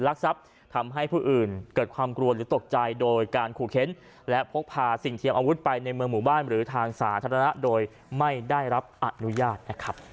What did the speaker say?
รักทรัพย์ทำให้ผู้อื่นเกิดความกลัวหรือตกใจโดยการขู่เค้นและพกพาสิ่งเทียมอาวุธไปในเมืองหมู่บ้านหรือทางสาธารณะโดยไม่ได้รับอนุญาตนะครับ